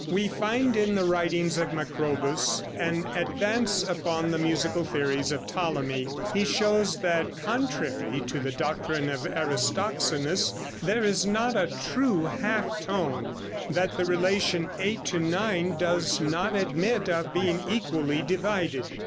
We find in the writings of Macrobus an advance upon the musical theories of Ptolemy. He shows that contrary to the doctrine of Aristoxenus there is not a true half tone, and that the relation 8:9 does not admit of being equally divided.